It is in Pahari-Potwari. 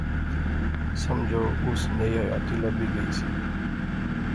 سمجھو اس نئی حیاتی لبی گئی سی